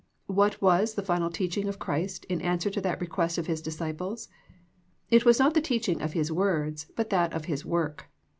What was the final teaching of Christ in answer to that request of His disciples ? It was not the teaching of His words, but that of His work.